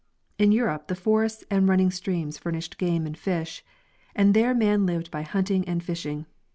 In Europe the forests and running streams furnished game and fish, and there man lived by hunting and fishing.